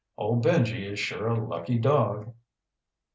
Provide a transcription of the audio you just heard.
Old Benji is sure a lucky dog."